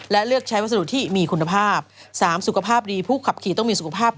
และเลือกใช้วัสดุที่มีคุณภาพ๓สุขภาพดีผู้ขับขี่ต้องมีสุขภาพ